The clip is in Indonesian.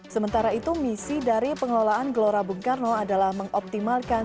sementara itu misi dari pengelolaan gelora bung karno adalah mengoptimalkan